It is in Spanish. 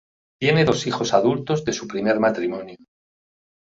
Tiene dos hijos adultos de su primer matrimonio.